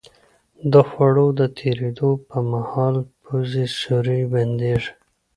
د خوړو د تېرېدو په مهال پوزې سوری بندېږي.